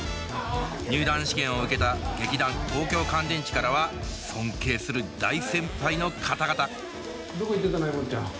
入団試験を受けた劇団東京乾電池からは尊敬する大先輩の方々どこ行ってたのえもっちゃん。